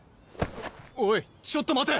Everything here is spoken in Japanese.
おいちょっと待て。